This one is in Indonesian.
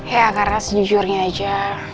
ya karena sejujurnya aja